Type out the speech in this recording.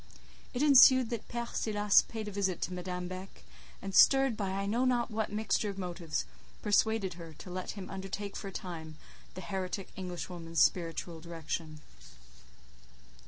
It ensued that Père Silas paid a visit to Madame Beck, and stirred by I know not what mixture of motives, persuaded her to let him undertake for a time the Englishwoman's spiritual direction.